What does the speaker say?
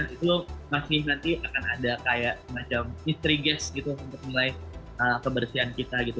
itu masih nanti akan ada kayak semacam histrige gitu untuk nilai kebersihan kita gitu